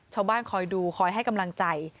ชาวบ้านคอยดูคอยให้กำลังใจ